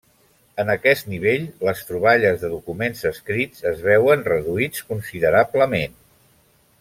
En aquest nivell les troballes de documents escrits es veuen reduïts considerablement.